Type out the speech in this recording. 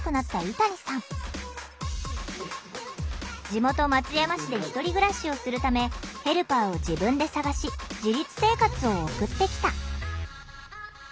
地元松山市で１人暮らしをするためヘルパーを自分で探し自立生活を送ってきた。